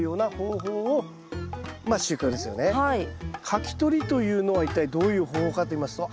かき取りというのは一体どういう方法かといいますと。